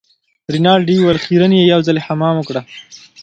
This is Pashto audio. رینالډي وویل خیرن يې یو ځلي حمام وکړه.